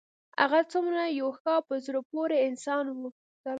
هغه څومره یو ښه او په زړه پورې انسان و